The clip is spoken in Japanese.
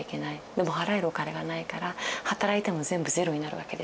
でも払えるお金がないから働いても全部ゼロになるわけですよ。